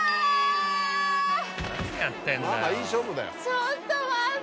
ちょっと待って！